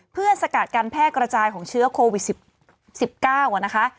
เพื่อสกัดการแพร่กระจายของเชื้อโควิด๑๙นะคะ